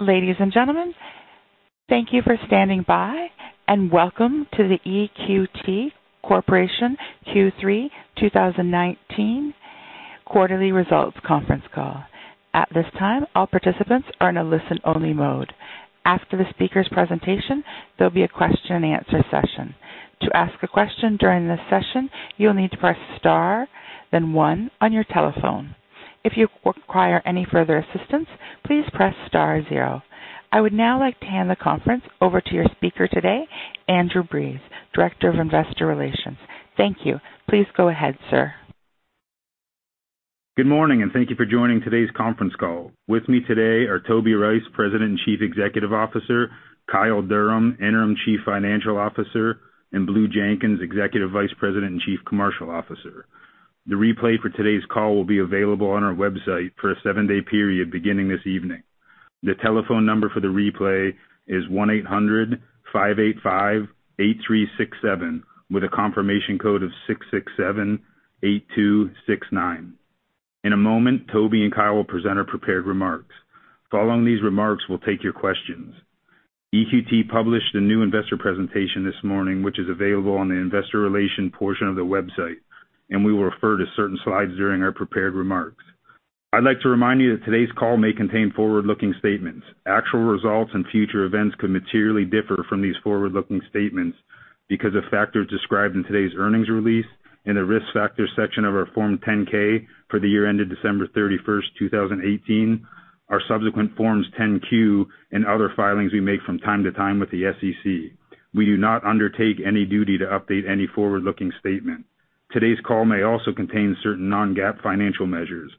Ladies and gentlemen, thank you for standing by, and welcome to the EQT Corporation Q3 2019 quarterly results conference call. At this time, all participants are in a listen-only mode. After the speaker's presentation, there'll be a question and answer session. To ask a question during this session, you'll need to press star then one on your telephone. If you require any further assistance, please press star zero. I would now like to hand the conference over to your speaker today, Andrew Breese, Director of Investor Relations. Thank you. Please go ahead, sir. Good morning. Thank you for joining today's conference call. With me today are Toby Rice, President and Chief Executive Officer, Kyle Derham, Interim Chief Financial Officer, and Blue Jenkins, Executive Vice President and Chief Commercial Officer. The replay for today's call will be available on our website for a seven-day period beginning this evening. The telephone number for the replay is 1-800-585-8367 with a confirmation code of 6678269. In a moment, Toby and Kyle will present our prepared remarks. Following these remarks, we'll take your questions. EQT published a new investor presentation this morning, which is available on the investor relations portion of the website, and we will refer to certain slides during our prepared remarks. I'd like to remind you that today's call may contain forward-looking statements. Actual results and future events could materially differ from these forward-looking statements because of factors described in today's earnings release in the Risk Factors section of our Form 10-K for the year ended December 31st, 2018, our subsequent Forms 10-Q and other filings we make from time to time with the SEC. We do not undertake any duty to update any forward-looking statement. Today's call may also contain certain non-GAAP financial measures.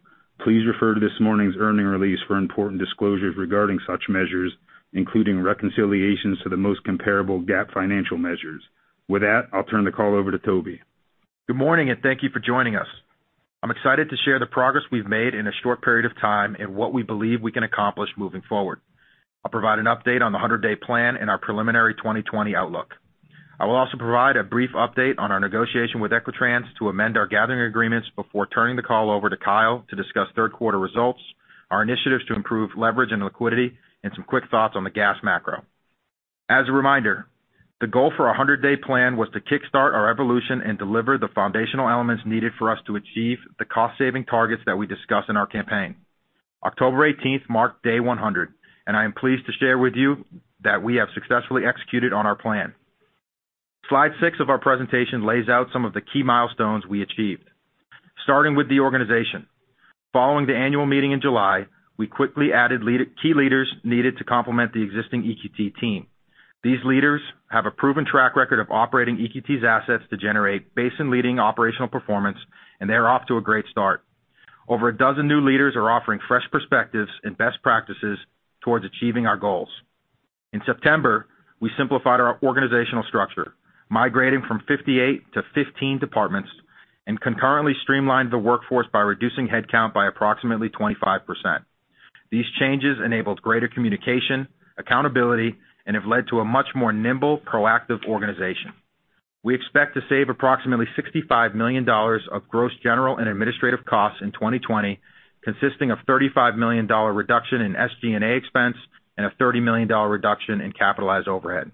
Please refer to this morning's earnings release for important disclosures regarding such measures, including reconciliations to the most comparable GAAP financial measures. With that, I'll turn the call over to Toby. Good morning, and thank you for joining us. I'm excited to share the progress we've made in a short period of time and what we believe we can accomplish moving forward. I'll provide an update on the 100-day plan and our preliminary 2020 outlook. I will also provide a brief update on our negotiation with Equitrans to amend our gathering agreements before turning the call over to Kyle to discuss third quarter results, our initiatives to improve leverage and liquidity, and some quick thoughts on the gas macro. As a reminder, the goal for our 100-day plan was to kickstart our evolution and deliver the foundational elements needed for us to achieve the cost-saving targets that we discussed in our campaign. October 18th marked day 100, and I am pleased to share with you that we have successfully executed on our plan. Slide six of our presentation lays out some of the key milestones we achieved. Starting with the organization. Following the annual meeting in July, we quickly added key leaders needed to complement the existing EQT team. These leaders have a proven track record of operating EQT's assets to generate basin-leading operational performance, and they are off to a great start. Over a dozen new leaders are offering fresh perspectives and best practices towards achieving our goals. In September, we simplified our organizational structure, migrating from 58 to 15 departments and concurrently streamlined the workforce by reducing headcount by approximately 25%. These changes enabled greater communication, accountability, and have led to a much more nimble, proactive organization. We expect to save approximately $65 million of gross general and administrative costs in 2020, consisting of $35 million reduction in SG&A expense and a $30 million reduction in capitalized overhead.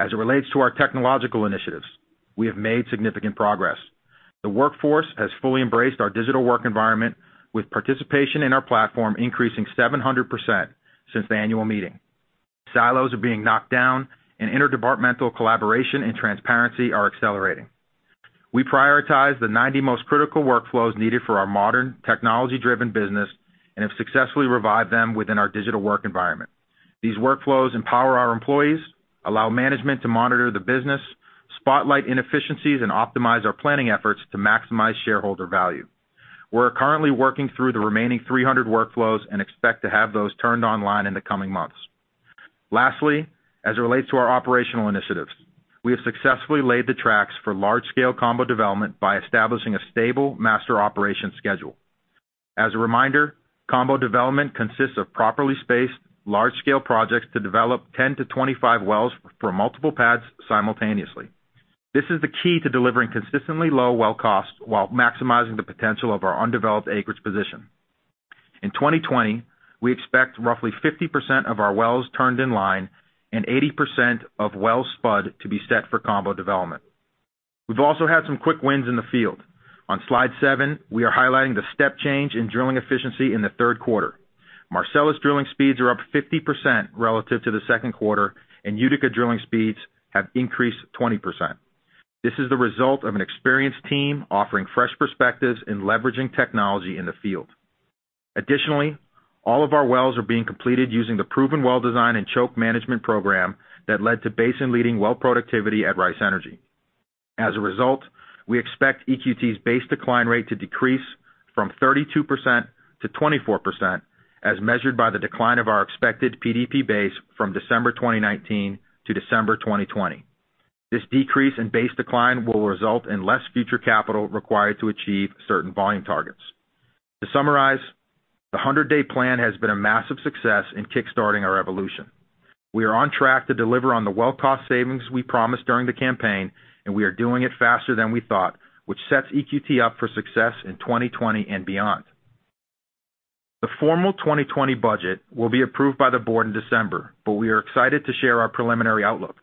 As it relates to our technological initiatives, we have made significant progress. The workforce has fully embraced our digital work environment, with participation in our platform increasing 700% since the annual meeting. Silos are being knocked down, and interdepartmental collaboration and transparency are accelerating. We prioritize the 90 most critical workflows needed for our modern, technology-driven business and have successfully revived them within our digital work environment. These workflows empower our employees, allow management to monitor the business, spotlight inefficiencies, and optimize our planning efforts to maximize shareholder value. We're currently working through the remaining 300 workflows and expect to have those turned online in the coming months. Lastly, as it relates to our operational initiatives, we have successfully laid the tracks for large-scale combo development by establishing a stable master operation schedule. As a reminder, combo development consists of properly spaced, large-scale projects to develop 10-25 wells for multiple pads simultaneously. This is the key to delivering consistently low well costs while maximizing the potential of our undeveloped acreage position. In 2020, we expect roughly 50% of our wells turned in line and 80% of wells spud to be set for combo development. We've also had some quick wins in the field. On slide seven, we are highlighting the step change in drilling efficiency in the third quarter. Marcellus drilling speeds are up 50% relative to the second quarter, and Utica drilling speeds have increased 20%. This is the result of an experienced team offering fresh perspectives and leveraging technology in the field. Additionally, all of our wells are being completed using the proven well design and choke management program that led to basin-leading well productivity at Rice Energy. As a result, we expect EQT's base decline rate to decrease from 32% to 24% as measured by the decline of our expected PDP base from December 2019 to December 2020. This decrease in base decline will result in less future capital required to achieve certain volume targets. To summarize, the 100-day plan has been a massive success in kickstarting our evolution. We are on track to deliver on the well cost savings we promised during the campaign, and we are doing it faster than we thought, which sets EQT up for success in 2020 and beyond. The formal 2020 budget will be approved by the board in December, but we are excited to share our preliminary outlook.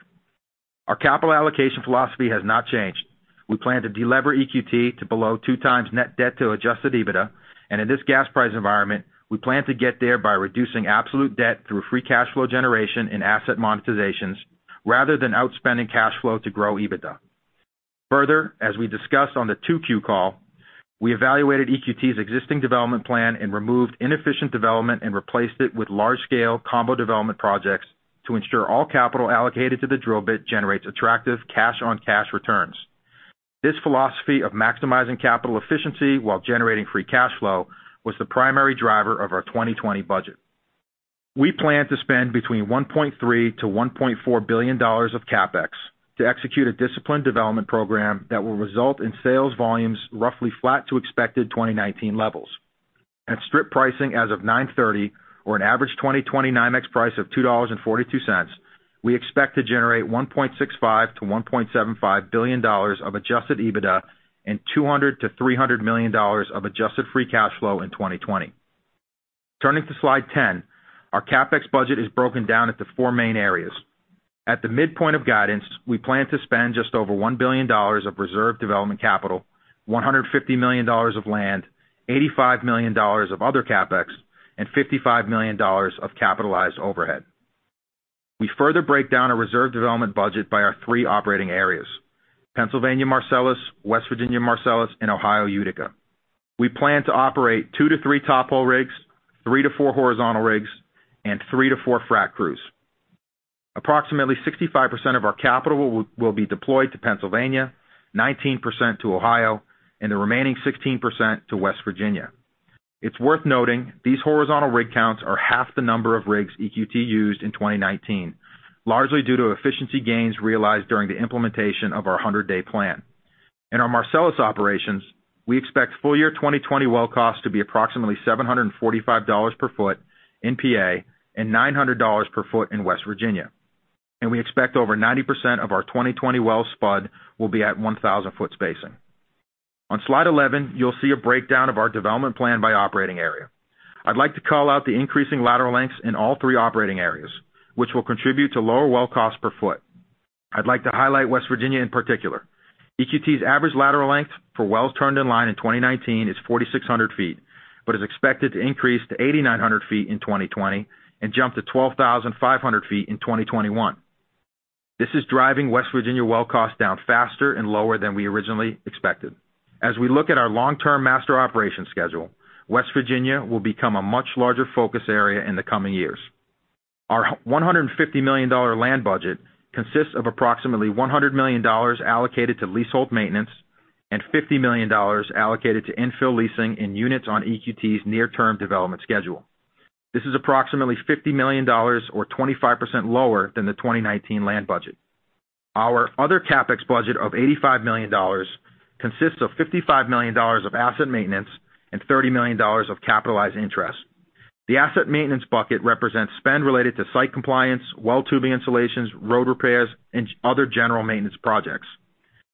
Our capital allocation philosophy has not changed. We plan to delever EQT to below 2 times net debt to adjusted EBITDA, and in this gas price environment, we plan to get there by reducing absolute debt through free cash flow generation and asset monetizations rather than outspending cash flow to grow EBITDA. Further, as we discussed on the 2Q call, we evaluated EQT's existing development plan and removed inefficient development and replaced it with large-scale combo development projects to ensure all capital allocated to the drill bit generates attractive cash-on-cash returns. This philosophy of maximizing capital efficiency while generating free cash flow was the primary driver of our 2020 budget. We plan to spend between $1.3 billion-$1.4 billion of CapEx to execute a disciplined development program that will result in sales volumes roughly flat to expected 2019 levels. At strip pricing as of 9/30, or an average 2020 NYMEX price of $2.42, we expect to generate $1.65 billion-$1.75 billion of adjusted EBITDA and $200 million-$300 million of adjusted free cash flow in 2020. Turning to slide 10, our CapEx budget is broken down into four main areas. At the midpoint of guidance, we plan to spend just over $1 billion of reserve development capital, $150 million of land, $85 million of other CapEx, and $55 million of capitalized overhead. We further break down our reserve development budget by our three operating areas: Pennsylvania Marcellus, West Virginia Marcellus, and Ohio Utica. We plan to operate two to three tophole rigs, three to four horizontal rigs, and three to four frac crews. Approximately 65% of our capital will be deployed to Pennsylvania, 19% to Ohio, and the remaining 16% to West Virginia. It's worth noting these horizontal rig counts are half the number of rigs EQT used in 2019, largely due to efficiency gains realized during the implementation of our 100-day plan. In our Marcellus operations, we expect full-year 2020 well costs to be approximately $745 per foot in PA and $900 per foot in West Virginia. We expect over 90% of our 2020 wells spud will be at 1,000-foot spacing. On slide 11, you'll see a breakdown of our development plan by operating area. I'd like to call out the increasing lateral lengths in all three operating areas, which will contribute to lower well cost per foot. I'd like to highlight West Virginia in particular. EQT's average lateral length for wells turned in line in 2019 is 4,600 feet, but is expected to increase to 8,900 feet in 2020 and jump to 12,500 feet in 2021. This is driving West Virginia well costs down faster and lower than we originally expected. As we look at our long-term master operation schedule, West Virginia will become a much larger focus area in the coming years. Our $150 million land budget consists of approximately $100 million allocated to leasehold maintenance and $50 million allocated to infill leasing in units on EQT's near-term development schedule. This is approximately $50 million, or 25%, lower than the 2019 land budget. Our other CapEx budget of $85 million consists of $55 million of asset maintenance and $30 million of capitalized interest. The asset maintenance bucket represents spend related to site compliance, well tubing installations, road repairs, and other general maintenance projects.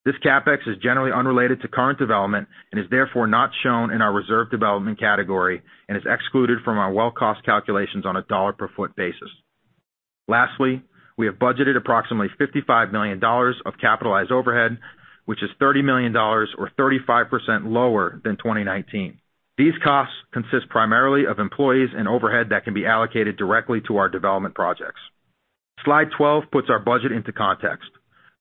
This CapEx is generally unrelated to current development and is therefore not shown in our reserve development category and is excluded from our well cost calculations on a dollar-per-foot basis. Lastly, we have budgeted approximately $55 million of capitalized overhead, which is $30 million, or 35%, lower than 2019. These costs consist primarily of employees and overhead that can be allocated directly to our development projects. Slide 12 puts our budget into context.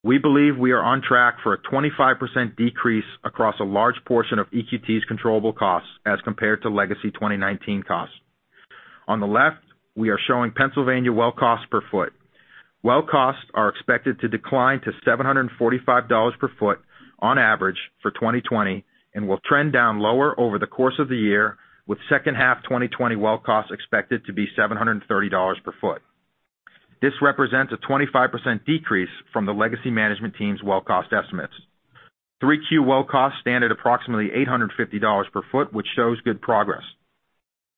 We believe we are on track for a 25% decrease across a large portion of EQT's controllable costs as compared to legacy 2019 costs. On the left, we are showing Pennsylvania well costs per foot. Well costs are expected to decline to $745 per foot on average for 2020 and will trend down lower over the course of the year, with second half 2020 well costs expected to be $730 per foot. This represents a 25% decrease from the legacy management team's well cost estimates. 3Q well costs stand at approximately $850 per foot, which shows good progress.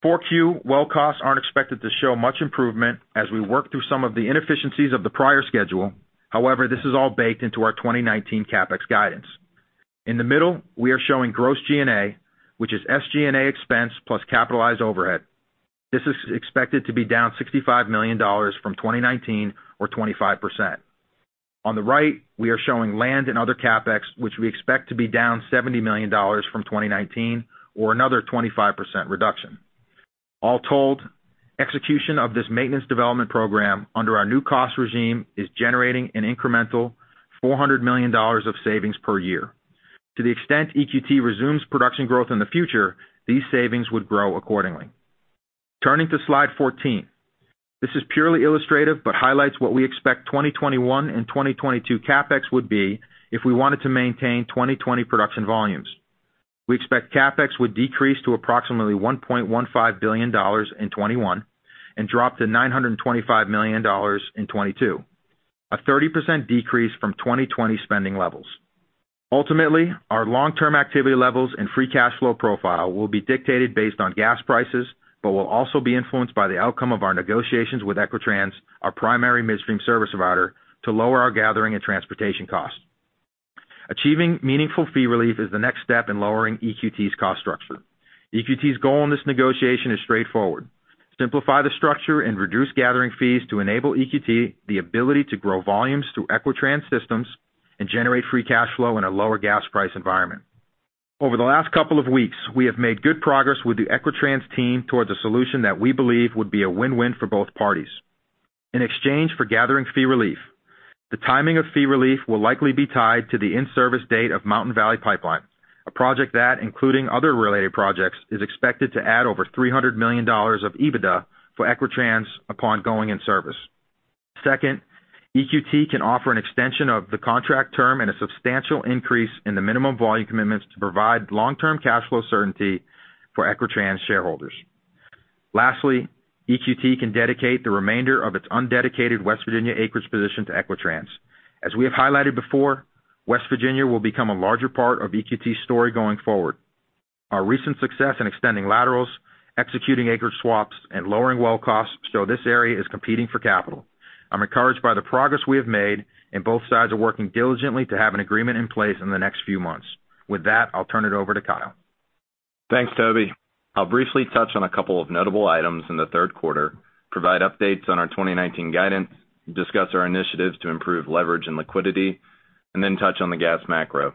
4Q well costs aren't expected to show much improvement as we work through some of the inefficiencies of the prior schedule. This is all baked into our 2019 CapEx guidance. In the middle, we are showing gross G&A, which is SG&A expense plus capitalized overhead. This is expected to be down $65 million from 2019, or 25%. On the right, we are showing land and other CapEx, which we expect to be down $70 million from 2019, or another 25% reduction. All told, execution of this maintenance development program under our new cost regime is generating an incremental $400 million of savings per year. To the extent EQT resumes production growth in the future, these savings would grow accordingly. Turning to slide 14. This is purely illustrative but highlights what we expect 2021 and 2022 CapEx would be if we wanted to maintain 2020 production volumes. We expect CapEx would decrease to approximately $1.15 billion in 2021 and drop to $925 million in 2022, a 30% decrease from 2020 spending levels. Ultimately, our long-term activity levels and free cash flow profile will be dictated based on gas prices, but will also be influenced by the outcome of our negotiations with Equitrans, our primary midstream service provider, to lower our gathering and transportation costs. Achieving meaningful fee relief is the next step in lowering EQT's cost structure. EQT's goal in this negotiation is straightforward: simplify the structure and reduce gathering fees to enable EQT the ability to grow volumes through Equitrans systems and generate free cash flow in a lower gas price environment. Over the last couple of weeks, we have made good progress with the Equitrans team towards a solution that we believe would be a win-win for both parties. In exchange for gathering fee relief, the timing of fee relief will likely be tied to the in-service date of Mountain Valley Pipeline, a project that, including other related projects, is expected to add over $300 million of EBITDA for Equitrans upon going in service. Second, EQT can offer an extension of the contract term and a substantial increase in the Minimum Volume Commitments to provide long-term cash flow certainty for Equitrans shareholders. Lastly, EQT can dedicate the remainder of its undedicated West Virginia acreage position to Equitrans. As we have highlighted before, West Virginia will become a larger part of EQT's story going forward. Our recent success in extending laterals, executing acreage swaps, and lowering well costs show this area is competing for capital. I'm encouraged by the progress we have made, and both sides are working diligently to have an agreement in place in the next few months. With that, I'll turn it over to Kyle. Thanks, Toby. I'll briefly touch on a couple of notable items in the third quarter, provide updates on our 2019 guidance, discuss our initiatives to improve leverage and liquidity, and then touch on the gas macro.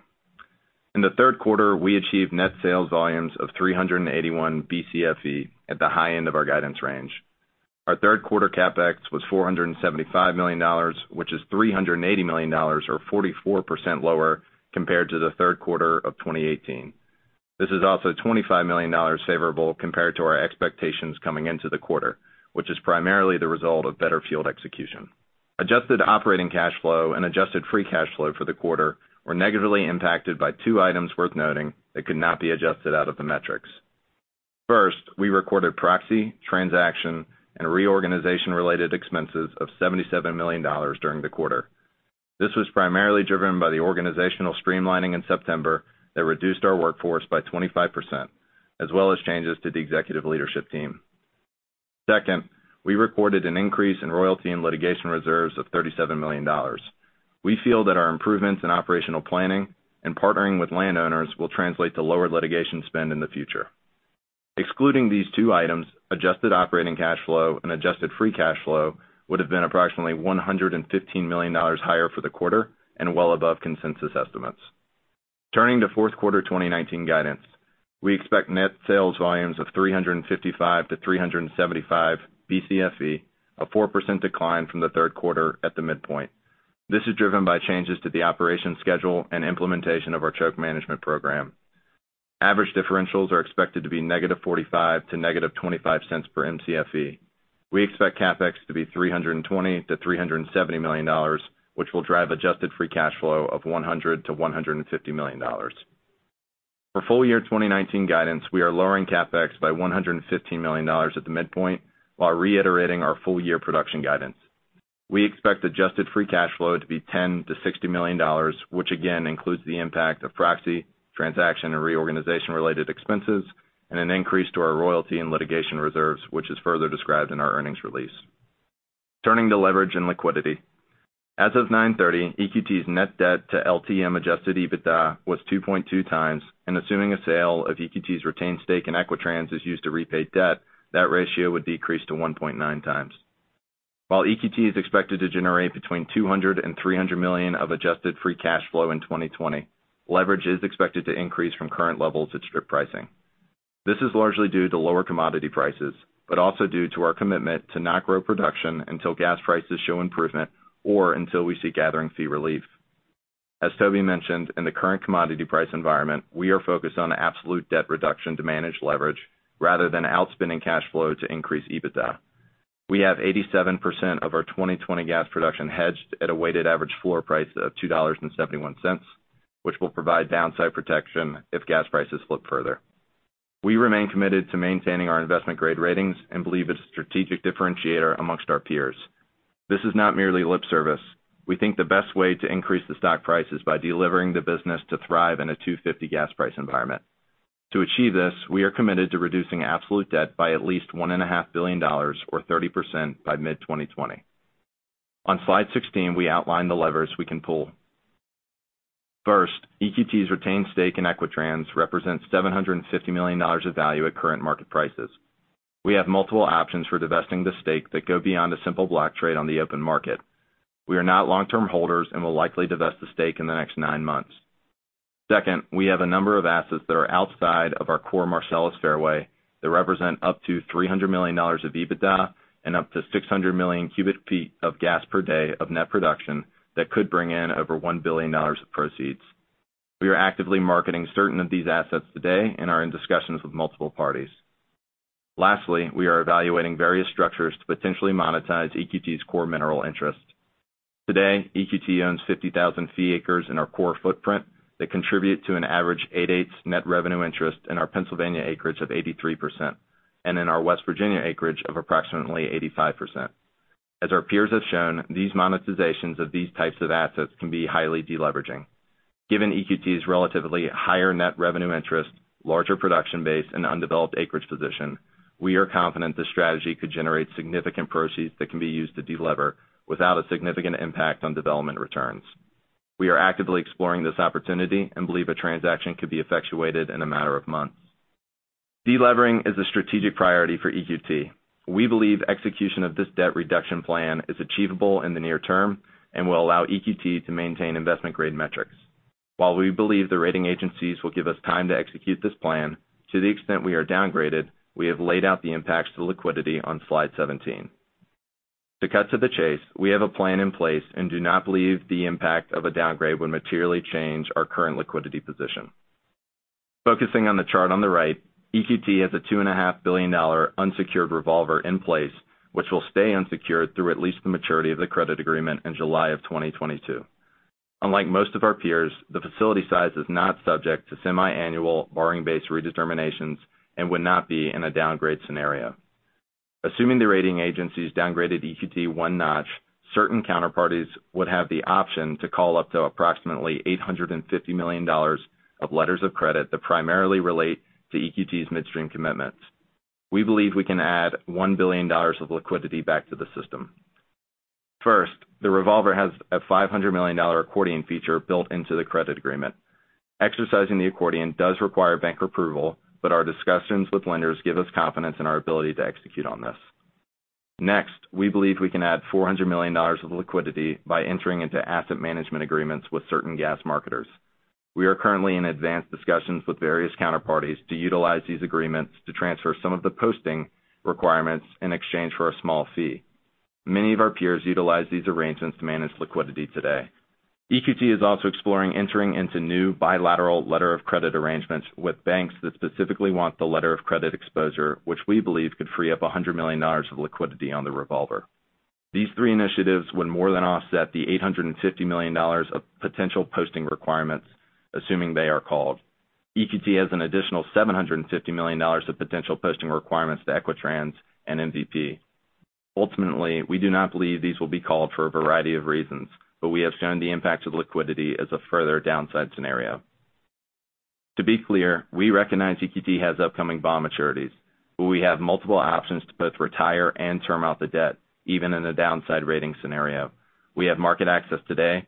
In the third quarter, we achieved net sales volumes of 381 BCFE at the high end of our guidance range. Our third-quarter CapEx was $475 million, which is $380 million, or 44% lower compared to the third quarter of 2018. This is also $25 million favorable compared to our expectations coming into the quarter, which is primarily the result of better field execution. Adjusted operating cash flow and adjusted free cash flow for the quarter were negatively impacted by two items worth noting that could not be adjusted out of the metrics. First, we recorded proxy, transaction, and reorganization-related expenses of $77 million during the quarter. This was primarily driven by the organizational streamlining in September that reduced our workforce by 25%, as well as changes to the executive leadership team. Second, we recorded an increase in royalty and litigation reserves of $37 million. We feel that our improvements in operational planning and partnering with landowners will translate to lower litigation spend in the future. Excluding these two items, adjusted operating cash flow and adjusted free cash flow would have been approximately $115 million higher for the quarter and well above consensus estimates. Turning to fourth quarter 2019 guidance. We expect net sales volumes of 355 to 375 BCFE, a 4% decline from the third quarter at the midpoint. This is driven by changes to the operation schedule and implementation of our choke management program. Average differentials are expected to be negative $0.45 to negative $0.25 per MCFE. We expect CapEx to be $320 million-$370 million, which will drive adjusted free cash flow of $100 million-$150 million. For full-year 2019 guidance, we are lowering CapEx by $115 million at the midpoint while reiterating our full-year production guidance. We expect adjusted free cash flow to be $10 million-$60 million, which again includes the impact of proxy, transaction, and reorganization-related expenses and an increase to our royalty and litigation reserves, which is further described in our earnings release. Turning to leverage and liquidity. As of 9/30, EQT's net debt to LTM adjusted EBITDA was 2.2 times, and assuming a sale of EQT's retained stake in Equitrans is used to repay debt, that ratio would decrease to 1.9 times. While EQT is expected to generate between $200 million and $300 million of adjusted free cash flow in 2020, leverage is expected to increase from current levels at strip pricing. This is largely due to lower commodity prices, but also due to our commitment to not grow production until gas prices show improvement or until we see gathering fee relief. As Toby mentioned, in the current commodity price environment, we are focused on absolute debt reduction to manage leverage rather than outspending cash flow to increase EBITDA. We have 87% of our 2020 gas production hedged at a weighted average floor price of $2.71, which will provide downside protection if gas prices slip further. We remain committed to maintaining our investment-grade ratings and believe it's a strategic differentiator amongst our peers. This is not merely lip service. We think the best way to increase the stock price is by delivering the business to thrive in a $2.50 gas price environment. To achieve this, we are committed to reducing absolute debt by at least $1.5 billion, or 30%, by mid-2020. On slide 16, we outline the levers we can pull. First, EQT's retained stake in Equitrans represents $750 million of value at current market prices. We have multiple options for divesting the stake that go beyond a simple block trade on the open market. We are not long-term holders and will likely divest the stake in the next nine months. Second, we have a number of assets that are outside of our core Marcellus fairway that represent up to $300 million of EBITDA and up to 600 million cubic feet of gas per day of net production that could bring in over $1 billion of proceeds. We are actively marketing certain of these assets today and are in discussions with multiple parties. Lastly, we are evaluating various structures to potentially monetize EQT's core mineral interest. Today, EQT owns 50,000 fee acres in our core footprint that contribute to an average 8/8 net revenue interest in our Pennsylvania acreage of 83%, and in our West Virginia acreage of approximately 85%. As our peers have shown, these monetizations of these types of assets can be highly deleveraging. Given EQT's relatively higher net revenue interest, larger production base, and undeveloped acreage position, we are confident this strategy could generate significant proceeds that can be used to delever without a significant impact on development returns. We are actively exploring this opportunity and believe a transaction could be effectuated in a matter of months. Delevering is a strategic priority for EQT. We believe execution of this debt reduction plan is achievable in the near term and will allow EQT to maintain investment-grade metrics. We believe the rating agencies will give us time to execute this plan, to the extent we are downgraded, we have laid out the impacts to liquidity on slide 17. To cut to the chase, we have a plan in place and do not believe the impact of a downgrade would materially change our current liquidity position. Focusing on the chart on the right, EQT has a $2.5 billion unsecured revolver in place, which will stay unsecured through at least the maturity of the credit agreement in July of 2022. Unlike most of our peers, the facility size is not subject to semi-annual borrowing base redeterminations and would not be in a downgrade scenario. Assuming the ratings agencies downgraded EQT one notch, certain counterparties would have the option to call up to approximately $850 million of letters of credit that primarily relate to EQT's midstream commitments. We believe we can add $1 billion of liquidity back to the system. First, the revolver has a $500 million accordion feature built into the credit agreement. Exercising the accordion does require bank approval, but our discussions with lenders give us confidence in our ability to execute on this. Next, we believe we can add $400 million of liquidity by entering into asset management agreements with certain gas marketers. We are currently in advanced discussions with various counterparties to utilize these agreements to transfer some of the posting requirements in exchange for a small fee. Many of our peers utilize these arrangements to manage liquidity today. EQT is also exploring entering into new bilateral letter of credit arrangements with banks that specifically want the letter of credit exposure, which we believe could free up $100 million of liquidity on the revolver. These three initiatives would more than offset the $850 million of potential posting requirements, assuming they are called. EQT has an additional $750 million of potential posting requirements to Equitrans and MVP. Ultimately, we do not believe these will be called for a variety of reasons, but we have shown the impact to liquidity as a further downside scenario. To be clear, we recognize EQT has upcoming bond maturities, but we have multiple options to both retire and term out the debt, even in a downside rating scenario. We have market access today,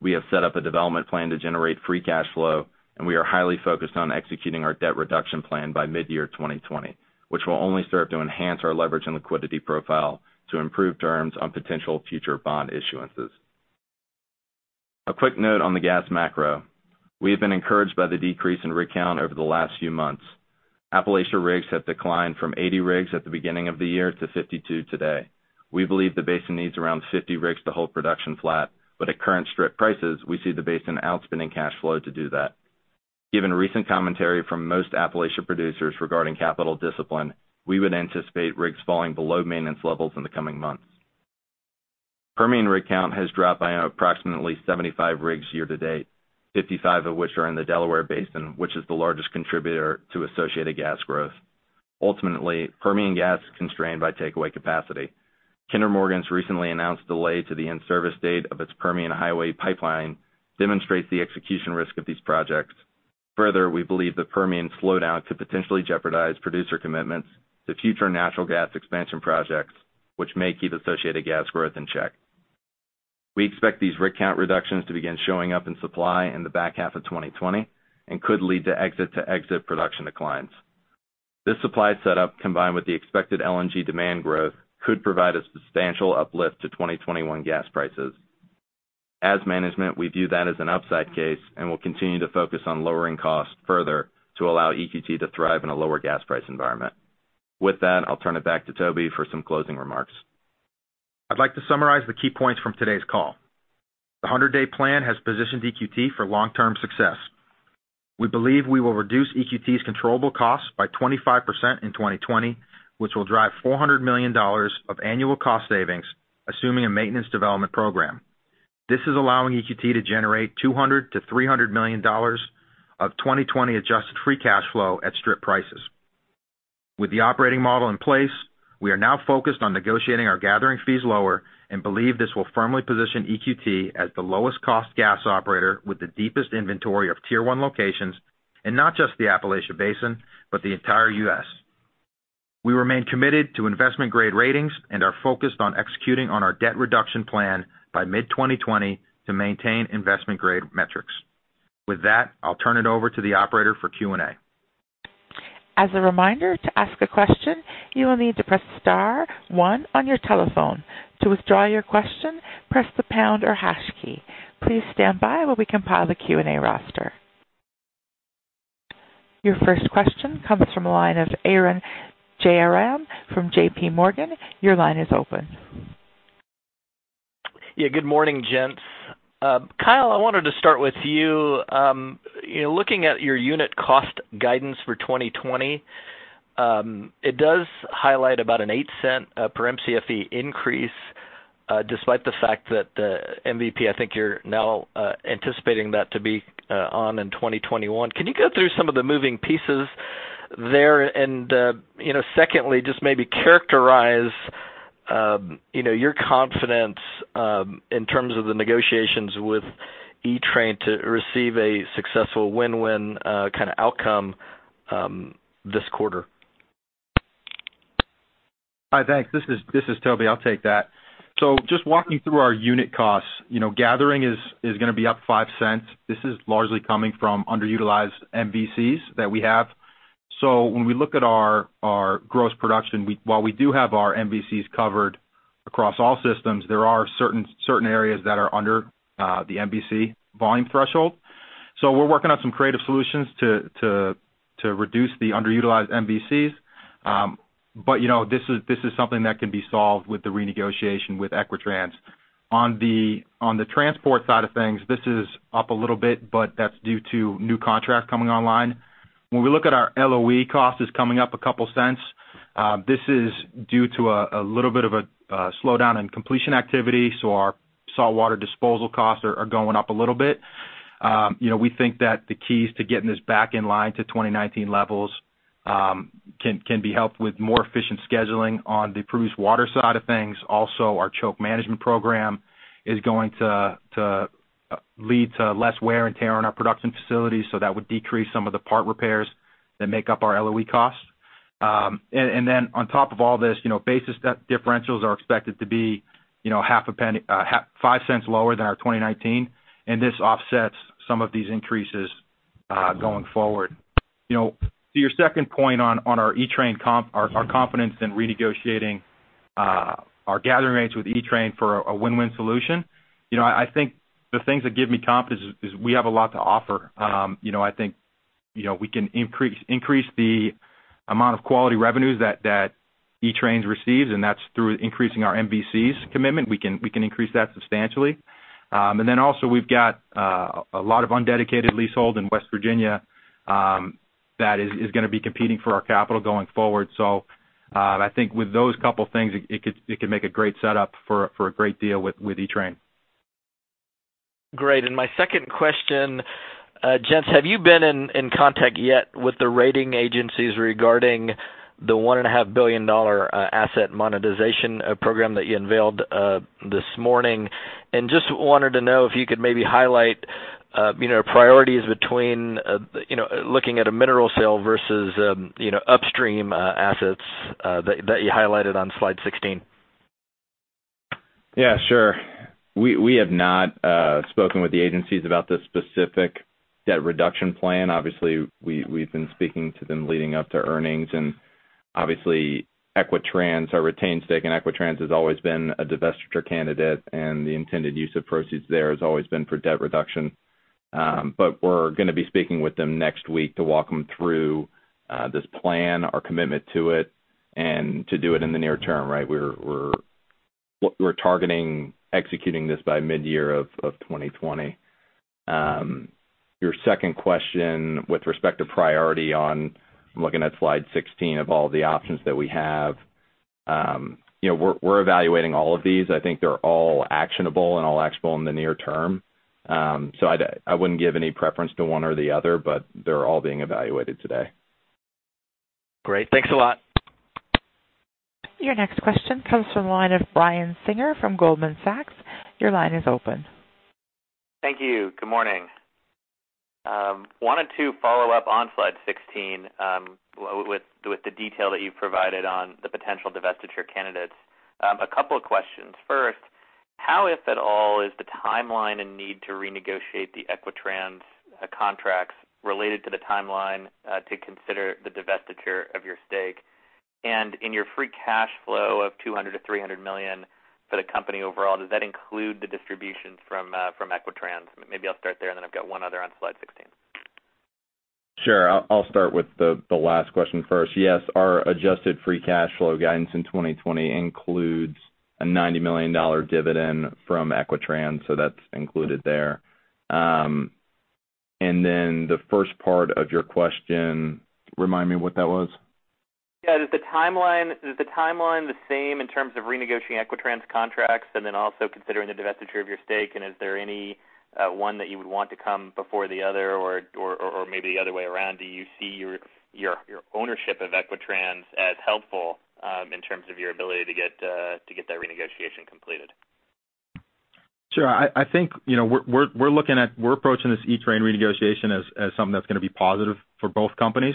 we have set up a development plan to generate free cash flow, and we are highly focused on executing our debt reduction plan by mid-year 2020, which will only serve to enhance our leverage and liquidity profile to improve terms on potential future bond issuances. A quick note on the gas macro. We have been encouraged by the decrease in rig count over the last few months. Appalachia rigs have declined from 80 rigs at the beginning of the year to 52 today. We believe the basin needs around 50 rigs to hold production flat, but at current strip prices, we see the basin outspending cash flow to do that. Given recent commentary from most Appalachia producers regarding capital discipline, we would anticipate rigs falling below maintenance levels in the coming months. Permian rig count has dropped by approximately 75 rigs year to date, 55 of which are in the Delaware Basin, which is the largest contributor to associated gas growth. Ultimately, Permian gas is constrained by takeaway capacity. Kinder Morgan's recently announced delay to the in-service date of its Permian Highway Pipeline demonstrates the execution risk of these projects. Further, we believe the Permian slowdown could potentially jeopardize producer commitments to future natural gas expansion projects, which may keep associated gas growth in check. We expect these rig count reductions to begin showing up in supply in the back half of 2020 and could lead to exit-to-exit production declines. This supply setup, combined with the expected LNG demand growth, could provide a substantial uplift to 2021 gas prices. As management, we view that as an upside case and will continue to focus on lowering costs further to allow EQT to thrive in a lower gas price environment. With that, I'll turn it back to Toby for some closing remarks. I'd like to summarize the key points from today's call. The 100-day plan has positioned EQT for long-term success. We believe we will reduce EQT's controllable costs by 25% in 2020, which will drive $400 million of annual cost savings, assuming a maintenance development program. This is allowing EQT to generate $200 million-$300 million of 2020 adjusted free cash flow at strip prices. With the operating model in place, we are now focused on negotiating our gathering fees lower and believe this will firmly position EQT as the lowest cost gas operator with the deepest inventory of Tier 1 locations in not just the Appalachian Basin, but the entire U.S. We remain committed to investment-grade ratings and are focused on executing on our debt reduction plan by mid-2020 to maintain investment-grade metrics. With that, I'll turn it over to the operator for Q&A. As a reminder, to ask a question, you will need to press star one on your telephone. To withdraw your question, press the pound or hash key. Please stand by while we compile the Q&A roster. Your first question comes from the line of Arun Jayaram from J.P. Morgan. Your line is open. Yeah. Good morning, gents. Kyle, I wanted to start with you. Looking at your unit cost guidance for 2020, it does highlight about an $0.08 per MCFE increase, despite the fact that the MVP, I think you're now anticipating that to be on in 2021. Can you go through some of the moving pieces there? Secondly, just maybe characterize your confidence in terms of the negotiations with Equitrans to receive a successful win-win kind of outcome this quarter. Hi, thanks. This is Toby, I'll take that. Just walking through our unit costs, gathering is going to be up $0.05. This is largely coming from underutilized MVCs that we have. When we look at our gross production, while we do have our MVCs covered across all systems, there are certain areas that are under the MVC volume threshold. We're working on some creative solutions to reduce the underutilized MVCs. This is something that can be solved with the renegotiation with Equitrans. On the transport side of things, this is up a little bit, but that's due to new contracts coming online. When we look at our LOE cost is coming up $0.02. This is due to a little bit of a slowdown in completion activity, our saltwater disposal costs are going up a little bit. We think that the keys to getting this back in line to 2019 levels can be helped with more efficient scheduling on the produced water side of things. Our choke management program is going to lead to less wear and tear on our production facilities, so that would decrease some of the part repairs that make up our LOE costs. On top of all this, basis differentials are expected to be $0.05 lower than our 2019, and this offsets some of these increases going forward. To your second point on our confidence in renegotiating our gathering rates with Equitrans for a win-win solution. I think the things that give me confidence is we have a lot to offer. I think we can increase the amount of quality revenues that Equitrans receives, and that's through increasing our MVCs commitment. We can increase that substantially. Then also we've got a lot of undedicated leasehold in West Virginia that is going to be competing for our capital going forward. I think with those couple things, it could make a great setup for a great deal with Equitrans. Great. My second question, gents, have you been in contact yet with the rating agencies regarding the $1.5 billion asset monetization program that you unveiled this morning? Just wanted to know if you could maybe highlight priorities between looking at a mineral sale versus upstream assets that you highlighted on slide 16. Yeah, sure. We have not spoken with the agencies about this specific debt reduction plan. Obviously, we've been speaking to them leading up to earnings, and obviously, our retained stake in Equitrans has always been a divestiture candidate, and the intended use of proceeds there has always been for debt reduction. We're going to be speaking with them next week to walk them through this plan, our commitment to it, and to do it in the near term. We're targeting executing this by mid-year of 2020. Your second question with respect to priority, I'm looking at slide 16 of all the options that we have. I think they're all actionable and all actionable in the near term. I wouldn't give any preference to one or the other, but they're all being evaluated today. Great. Thanks a lot. Your next question comes from the line of Brian Singer from Goldman Sachs. Your line is open. Thank you. Good morning. Wanted to follow up on slide 16, with the detail that you provided on the potential divestiture candidates. A couple of questions. First, how, if at all, is the timeline and need to renegotiate the Equitrans contracts related to the timeline to consider the divestiture of your stake? In your free cash flow of $200 million-$300 million for the company overall, does that include the distributions from Equitrans? Maybe I'll start there, then I've got one other on slide 16. Sure. I'll start with the last question first. Yes, our adjusted free cash flow guidance in 2020 includes a $90 million dividend from Equitrans, that's included there. Then the first part of your question, remind me what that was. Yeah. Is the timeline the same in terms of renegotiating Equitrans contracts and then also considering the divestiture of your stake, and is there any one that you would want to come before the other or maybe the other way around? Do you see your ownership of Equitrans as helpful in terms of your ability to get that renegotiation completed? Sure. I think we're approaching this Equitrans renegotiation as something that's going to be positive for both companies.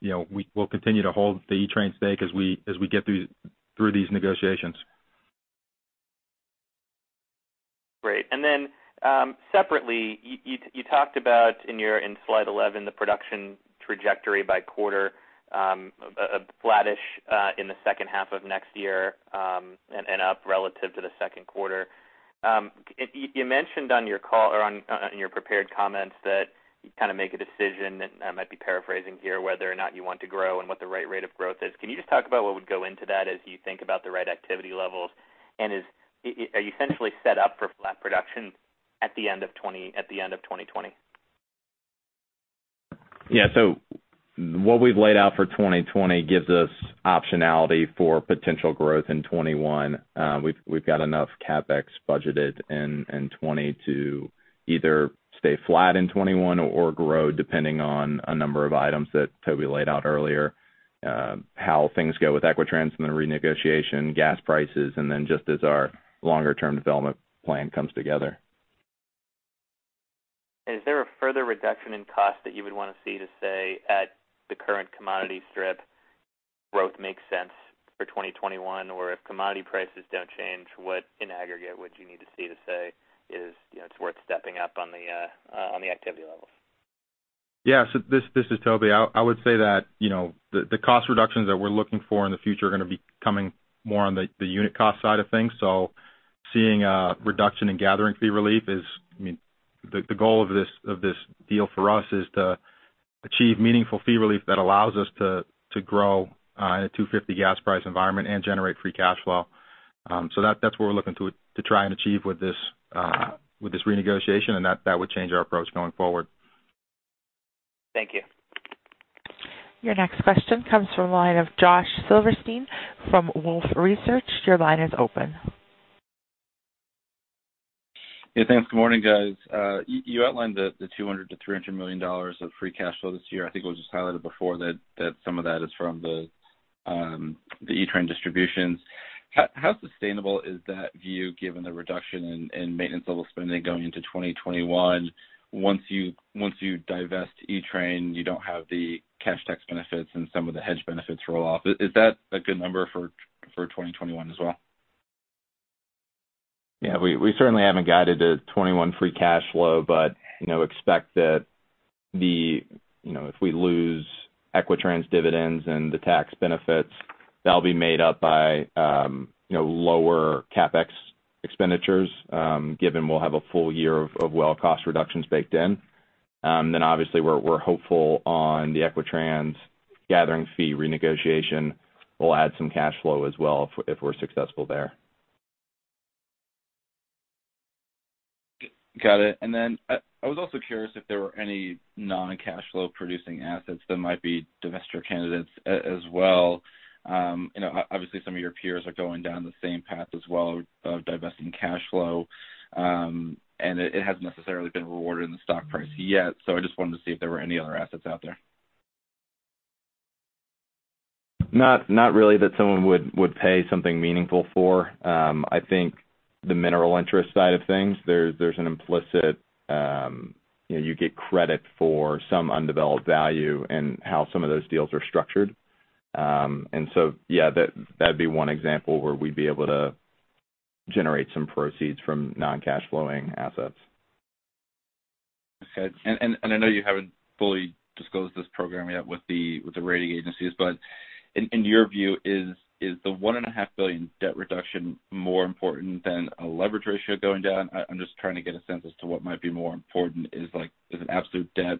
We'll continue to hold the Equitrans stake as we get through these negotiations. Great. Separately, you talked about in slide 11, the production trajectory by quarter, a flattish in the second half of next year, and up relative to the second quarter. You mentioned in your prepared comments that you kind of make a decision, I might be paraphrasing here, whether or not you want to grow and what the right rate of growth is. Can you just talk about what would go into that as you think about the right activity levels? Are you essentially set up for flat production at the end of 2020? Yeah. What we've laid out for 2020 gives us optionality for potential growth in 2021. We've got enough CapEx budgeted in 2020 to either stay flat in 2021 or grow depending on a number of items that Toby laid out earlier, how things go with Equitrans and the renegotiation, gas prices, and then just as our longer-term development plan comes together. Is there a further reduction in cost that you would want to see to say at the current commodity strip growth makes sense for 2021? If commodity prices don't change, what in aggregate would you need to see to say it's worth stepping up on the activity levels? This is Toby. I would say that the cost reductions that we're looking for in the future are going to be coming more on the unit cost side of things. The goal of this deal for us is to achieve meaningful fee relief that allows us to grow in a $2.50 gas price environment and generate free cash flow. That's what we're looking to try and achieve with this renegotiation, and that would change our approach going forward. Thank you. Your next question comes from the line of Josh Silverstein from Wolfe Research. Your line is open. Yeah, thanks. Good morning, guys. You outlined the $200 million-$300 million of free cash flow this year. I think it was just highlighted before that some of that is from the Equitrans distributions. How sustainable is that view given the reduction in maintenance level spending going into 2021? Once you divest Equitrans, you don't have the cash tax benefits and some of the hedge benefits roll off. Is that a good number for 2021 as well? Yeah. We certainly haven't guided the 2021 free cash flow, but expect that if we lose Equitrans dividends and the tax benefits, that'll be made up by lower CapEx expenditures, given we'll have a full year of well cost reductions baked in. Obviously, we're hopeful on the Equitrans gathering fee renegotiation will add some cash flow as well if we're successful there. Got it. I was also curious if there were any non-cash flow producing assets that might be divester candidates as well. Obviously, some of your peers are going down the same path as well of divesting cash flow. It hasn't necessarily been rewarded in the stock price yet. I just wanted to see if there were any other assets out there. Not really that someone would pay something meaningful for. I think the mineral interest side of things, there's an implicit you get credit for some undeveloped value in how some of those deals are structured. Yeah, that'd be one example where we'd be able to generate some proceeds from non-cash flowing assets. Okay. I know you haven't fully disclosed this program yet with the rating agencies. In your view, is the $1.5 billion debt reduction more important than a leverage ratio going down? I'm just trying to get a sense as to what might be more important, is an absolute debt.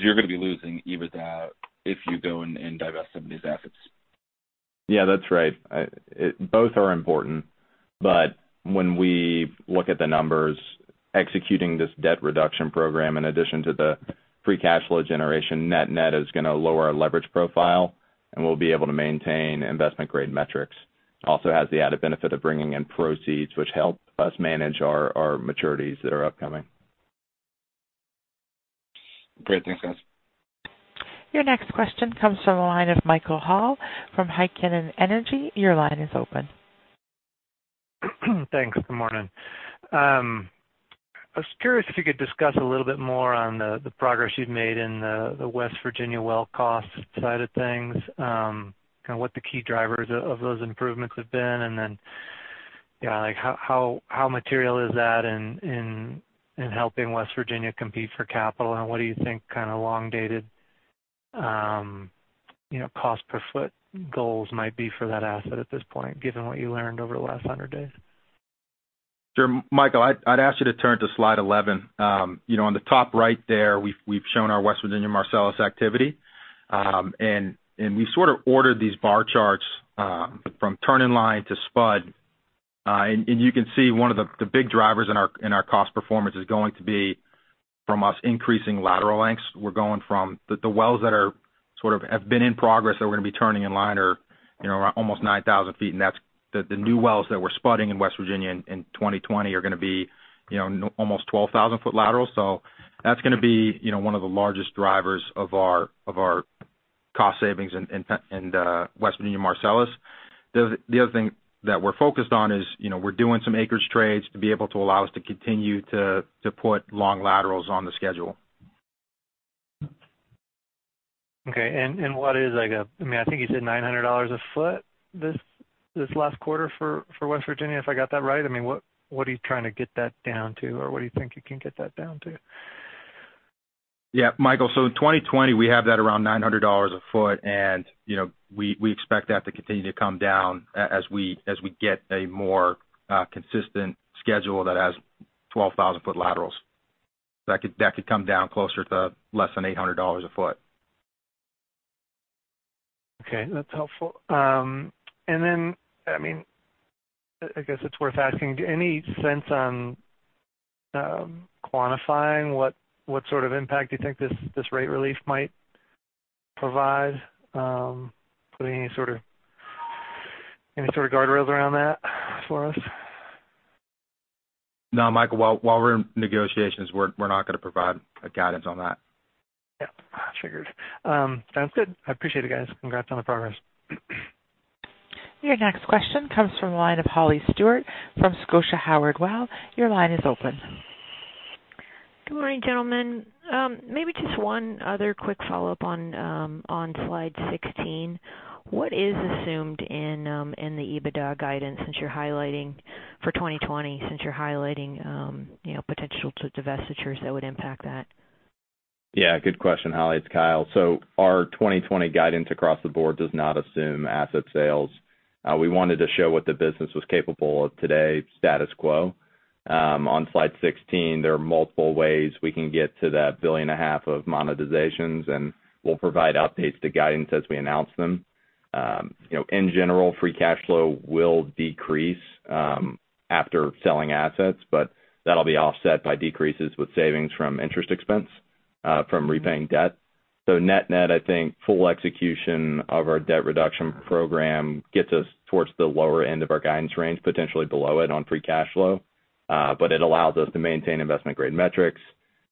You're going to be losing EBITDA if you go and divest some of these assets. Yeah, that's right. Both are important. When we look at the numbers, executing this debt reduction program, in addition to the free cash flow generation net-net is going to lower our leverage profile, and we'll be able to maintain investment grade metrics. Also has the added benefit of bringing in proceeds which help us manage our maturities that are upcoming. Great. Thanks, guys. Your next question comes from the line of Michael Hall from Heikkinen Energy. Your line is open. Thanks. Good morning. I was curious if you could discuss a little bit more on the progress you've made in the West Virginia well cost side of things, what the key drivers of those improvements have been, and then how material is that in helping West Virginia compete for capital, and what do you think long-dated cost per foot goals might be for that asset at this point, given what you learned over the last 100 days? Sure. Michael, I'd ask you to turn to slide 11. On the top right there, we've shown our West Virginia Marcellus activity. We sort of ordered these bar charts from turn in line to spud. You can see one of the big drivers in our cost performance is going to be from us increasing lateral lengths. We're going from the wells that have been in progress that we're going to be turning in line are around almost 9,000 feet, and the new wells that we're spudding in West Virginia in 2020 are going to be almost 12,000-foot laterals. That's going to be one of the largest drivers of our cost savings in West Virginia Marcellus. The other thing that we're focused on is we're doing some acreage trades to be able to allow us to continue to put long laterals on the schedule. Okay. What is I think you said $900 a foot this last quarter for West Virginia, if I got that right? What are you trying to get that down to, or what do you think you can get that down to? Yeah. Michael, in 2020, we have that around $900 a foot. We expect that to continue to come down as we get a more consistent schedule that has 12,000-foot laterals. That could come down closer to less than $800 a foot. Okay. That's helpful. I guess it's worth asking. Any sense on quantifying what sort of impact you think this rate relief might provide? Put any sort of guardrails around that for us? No, Michael, while we're in negotiations, we're not going to provide guidance on that. Yep. Figured. Sounds good. I appreciate it, guys. Congrats on the progress. Your next question comes from the line of Holly Stewart from Scotiabank Howard Weil. Your line is open. Good morning, gentlemen. Just one other quick follow-up on slide 16. What is assumed in the EBITDA guidance since you're highlighting for 2020, since you're highlighting potential divestitures that would impact that? Yeah, good question, Holly. It's Kyle. Our 2020 guidance across the board does not assume asset sales. On slide 16, there are multiple ways we can get to that billion and a half of monetizations, and we'll provide updates to guidance as we announce them. In general, free cash flow will decrease after selling assets, but that'll be offset by decreases with savings from interest expense from repaying debt. Net-net, I think full execution of our debt reduction program gets us towards the lower end of our guidance range, potentially below it on free cash flow. It allows us to maintain investment-grade metrics,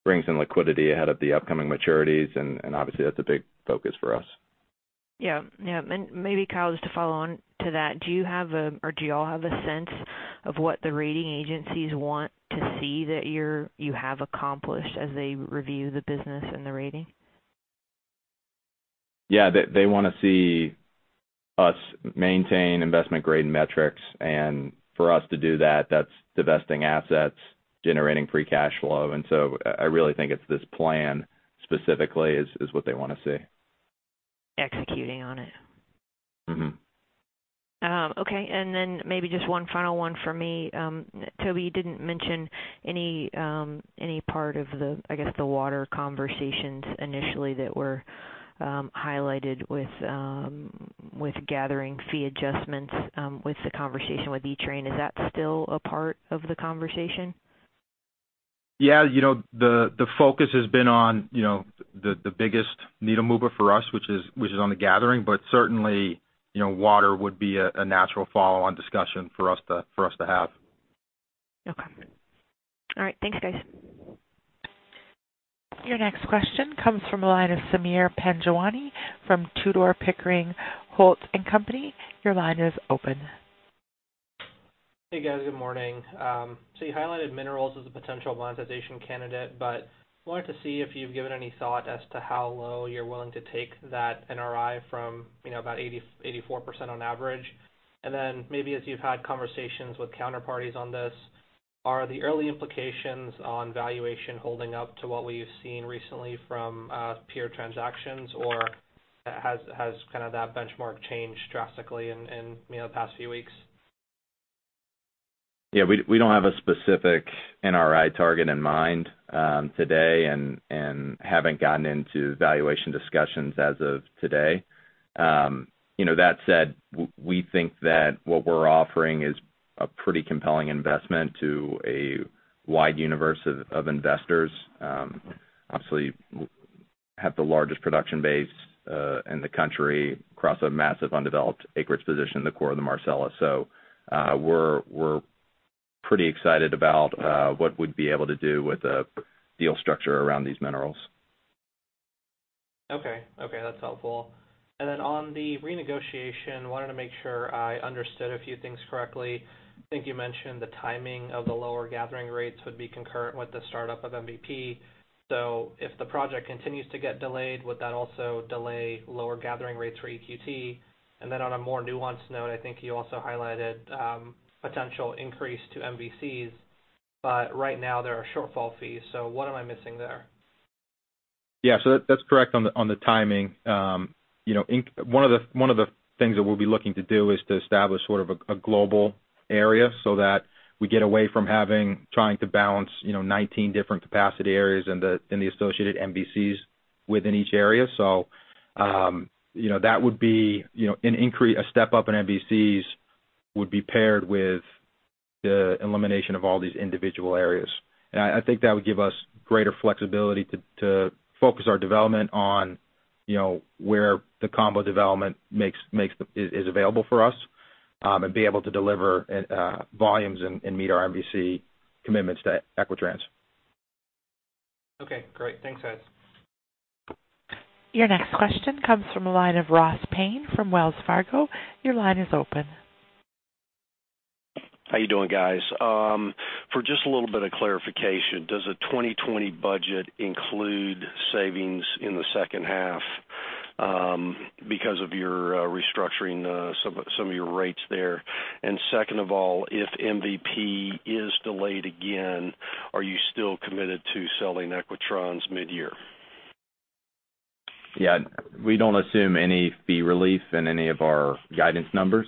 brings in liquidity ahead of the upcoming maturities, and obviously, that's a big focus for us. Yeah. Maybe, Kyle, just to follow on to that, or do you all have a sense of what the rating agencies want to see that you have accomplished as they review the business and the rating? Yeah. They want to see us maintain investment-grade metrics, and for us to do that's divesting assets, generating free cash flow. I really think it's this plan specifically is what they want to see. Executing on it. Okay, maybe just one final one for me. Toby, you didn't mention any part of the, I guess, the water conversations initially that were highlighted with gathering fee adjustments with the conversation with Equitrans. Is that still a part of the conversation? Yeah. The focus has been on the biggest needle mover for us, which is on the gathering. Certainly, water would be a natural follow-on discussion for us to have. Okay. All right. Thanks, guys. Your next question comes from the line of Sameer Panjwani from Tudor, Pickering, Holt & Co.. Your line is open. Hey, guys. Good morning. You highlighted minerals as a potential monetization candidate, but wanted to see if you've given any thought as to how low you're willing to take that NRI from about 84% on average. Maybe as you've had conversations with counterparties on this, are the early implications on valuation holding up to what we've seen recently from peer transactions, or has kind of that benchmark changed drastically in the past few weeks? Yeah, we don't have a specific NRI target in mind today and haven't gotten into valuation discussions as of today. That said, we think that what we're offering is a pretty compelling investment to a wide universe of investors. Obviously, we have the largest production base in the country across a massive undeveloped acreage position in the core of the Marcellus. We're pretty excited about what we'd be able to do with a deal structure around these minerals. Okay. That's helpful. On the renegotiation, wanted to make sure I understood a few things correctly. I think you mentioned the timing of the lower gathering rates would be concurrent with the startup of MVP. If the project continues to get delayed, would that also delay lower gathering rates for EQT? On a more nuanced note, I think you also highlighted potential increase to MVCs, but right now there are shortfall fees. What am I missing there? Yeah. That's correct on the timing. One of the things that we'll be looking to do is to establish sort of a global area so that we get away from trying to balance 19 different capacity areas in the associated MVCs within each area. That would be a step up in MVCs would be paired with the elimination of all these individual areas. I think that would give us greater flexibility to focus our development on where the combo development is available for us and be able to deliver volumes and meet our MVC commitments to Equitrans. Okay, great. Thanks, guys. Your next question comes from the line of Ross Payne from Wells Fargo. Your line is open. How you doing, guys? For just a little bit of clarification, does the 2020 budget include savings in the second half because of your restructuring some of your rates there? Second of all, if MVP is delayed again, are you still committed to selling Equitrans mid-year? Yeah. We don't assume any fee relief in any of our guidance numbers.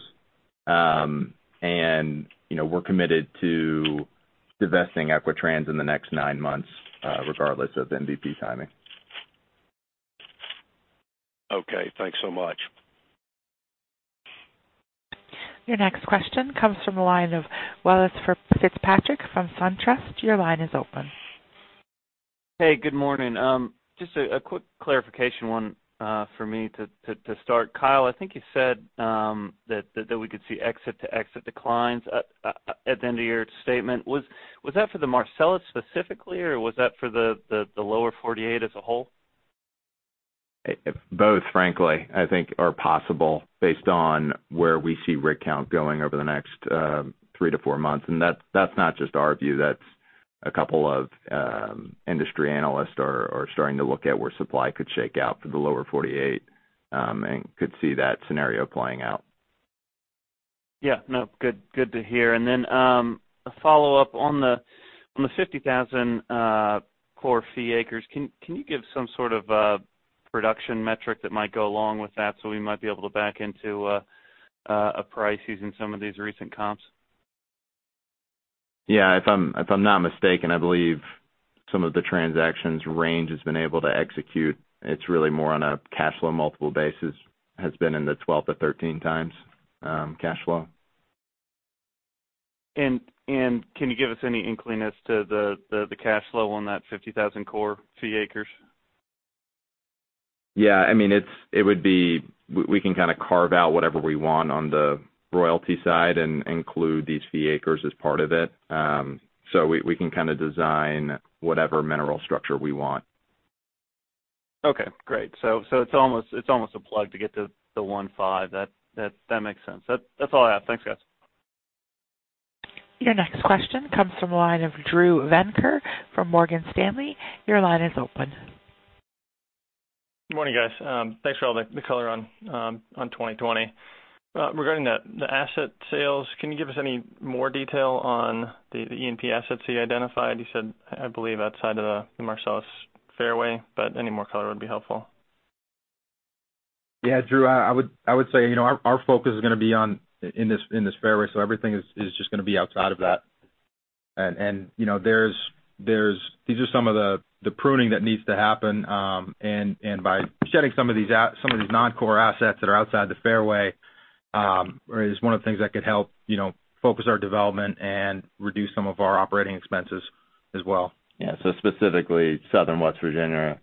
We're committed to divesting Equitrans in the next nine months, regardless of MVP timing. Okay, thanks so much. Your next question comes from the line of Welles Fitzpatrick from SunTrust. Your line is open. Hey, good morning. Just a quick clarification one for me to start. Kyle, I think you said that we could see exit-to-exit declines at the end of your statement. Was that for the Marcellus specifically, or was that for the Lower 48 as a whole? Both, frankly, I think are possible based on where we see rig count going over the next three to four months. That's not just our view. That's a couple of industry analysts are starting to look at where supply could shake out for the Lower 48, and could see that scenario playing out. Yeah. No, good to hear. A follow-up on the 50,000 core fee acres. Can you give some sort of a production metric that might go along with that so we might be able to back into a price using some of these recent comps? If I'm not mistaken, I believe some of the transactions Range has been able to execute, it's really more on a cash flow multiple basis, has been in the 12-13 times cash flow. Can you give us any inkling as to the cash flow on that 50,000 core fee acres? Yeah. We can kind of carve out whatever we want on the royalty side and include these fee acres as part of it. We can kind of design whatever mineral structure we want. Okay, great. It's almost a plug to get to the 15. That makes sense. That's all I have. Thanks, guys. Your next question comes from the line of Drew Venker from Morgan Stanley. Your line is open. Good morning, guys. Thanks for all the color on 2020. Regarding the asset sales, can you give us any more detail on the E&P assets that you identified? You said, I believe outside of the Marcellus fairway, but any more color would be helpful. Yeah, Drew, I would say our focus is going to be in this fairway, so everything is just going to be outside of that. These are some of the pruning that needs to happen. By shedding some of these non-core assets that are outside the fairway, is one of the things that could help focus our development and reduce some of our operating expenses as well. Yeah. Specifically southern West Virginia,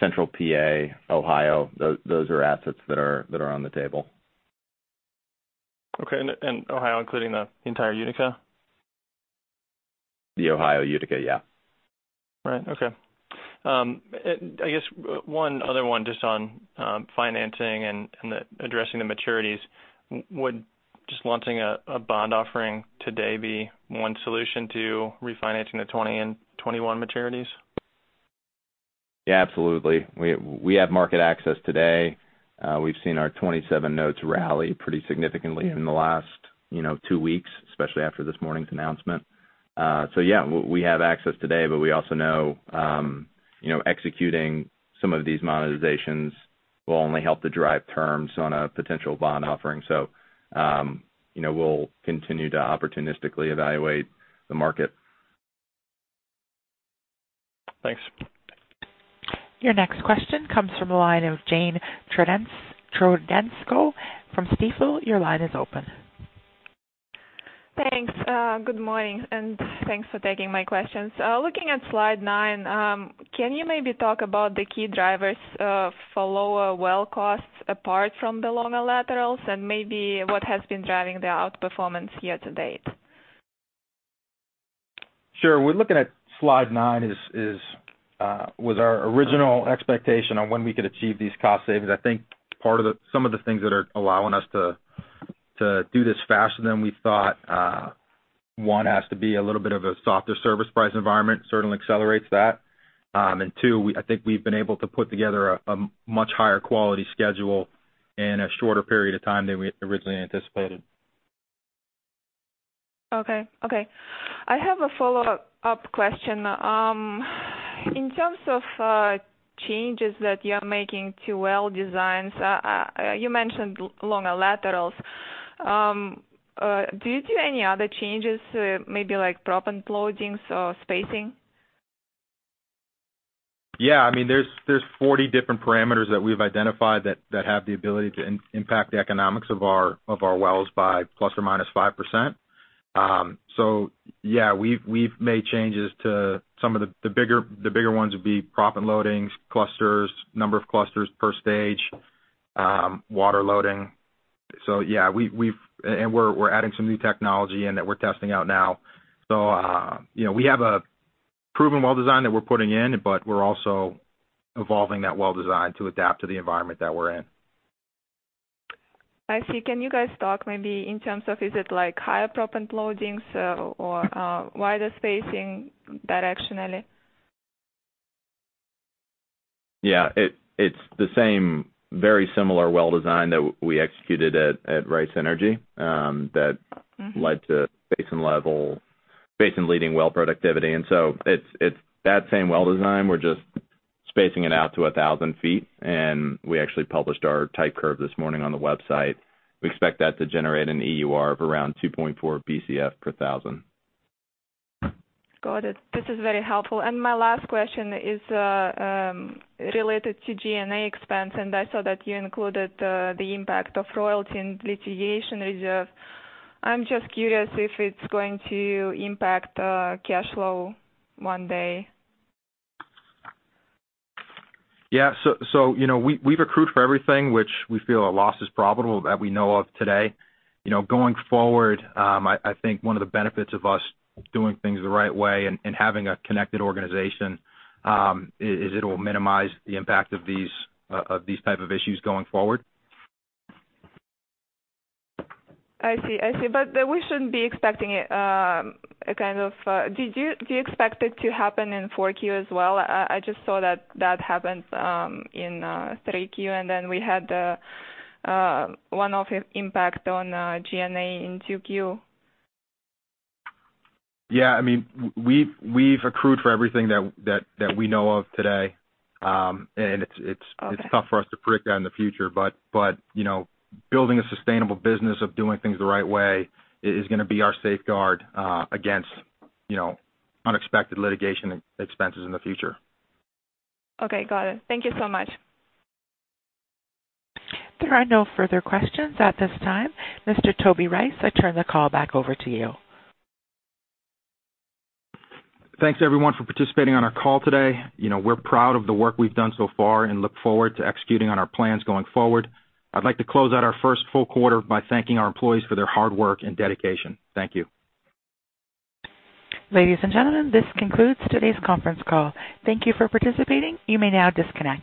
central PA, Ohio, those are assets that are on the table. Okay. Ohio, including the entire Utica? The Ohio Utica, yeah. Right. Okay. I guess one other one just on financing and addressing the maturities. Would just launching a bond offering today be one solution to refinancing the 2020 and 2021 maturities? Yeah, absolutely. We have market access today. We've seen our 2027 notes rally pretty significantly in the last two weeks, especially after this morning's announcement. Yeah, we have access today, but we also know executing some of these monetizations will only help to drive terms on a potential bond offering. We'll continue to opportunistically evaluate the market. Thanks. Your next question comes from the line of Jane Troczynski from Stifel. Your line is open. Thanks. Good morning, and thanks for taking my questions. Looking at slide nine, can you maybe talk about the key drivers for lower well costs apart from the longer laterals, and maybe what has been driving the outperformance year to date? Sure. We're looking at slide nine was our original expectation on when we could achieve these cost savings. I think some of the things that are allowing us to do this faster than we thought, one, has to be a little bit of a softer service price environment, certainly accelerates that. Two, I think we've been able to put together a much higher quality schedule in a shorter period of time than we had originally anticipated. Okay. I have a follow-up question. In terms of changes that you're making to well designs, you mentioned longer laterals. Do you do any other changes, maybe like proppant loadings or spacing? Yeah. There are 40 different parameters that we've identified that have the ability to impact the economics of our wells by ±5%. Yeah, we've made changes. The bigger ones would be proppant loadings, clusters, number of clusters per stage, water loading. Yeah. We are adding some new technology in that we are testing out now. We have a proven well design that we are putting in, but we are also evolving that well design to adapt to the environment that we are in. I see. Can you guys talk maybe in terms of, is it higher proppant loadings or wider spacing directionally? Yeah. It's the same very similar well design that we executed at Rice Energy that led to basin-leading well productivity. It's that same well design, we're just spacing it out to 1,000 feet, and we actually published our type curve this morning on the website. We expect that to generate an EUR of around 2.4 Bcf per thousand. Got it. This is very helpful. My last question is related to G&A expense, and I saw that you included the impact of royalty and litigation reserve. I'm just curious if it's going to impact cash flow one day. Yeah. We've accrued for everything which we feel a loss is probable that we know of today. Going forward, I think one of the benefits of us doing things the right way and having a connected organization, is it'll minimize the impact of these type of issues going forward. I see. We shouldn't be expecting it. Do you expect it to happen in 4Q as well? I just saw that that happened in 3Q, we had the one-off impact on G&A in 2Q. Yeah. We've accrued for everything that we know of today. It's tough for us to predict that in the future, but building a sustainable business of doing things the right way is going to be our safeguard against unexpected litigation expenses in the future. Okay, got it. Thank you so much. There are no further questions at this time. Mr. Toby Rice, I turn the call back over to you. Thanks, everyone, for participating on our call today. We're proud of the work we've done so far and look forward to executing on our plans going forward. I'd like to close out our first full quarter by thanking our employees for their hard work and dedication. Thank you. Ladies and gentlemen, this concludes today's conference call. Thank you for participating. You may now disconnect.